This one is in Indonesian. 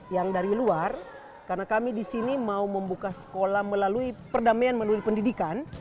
yang dari luar karena kami di sini mau membuka sekolah melalui perdamaian melalui pendidikan